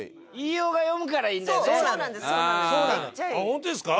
ホントですか？